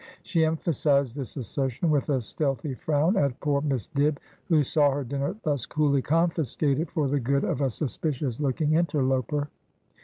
She emphasised this assertion with a stealthy frown at poor Miss Dibb, who saw her dinner thus coolly confiscated for the good of a suspicious looking interloper.